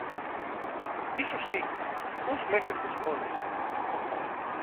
Iso si, uns meses despois.